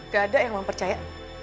gak ada yang mempercaya